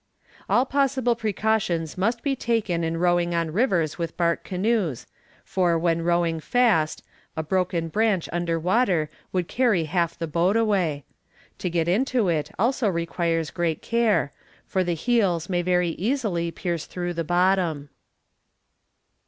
"All possible precautions must be taken in rowing on rivers with bark canoes; for when rowing fast, a broken branch under water would carry half the boat away. To get into it also requires great care, for the heels may very easily pierce through the bottom."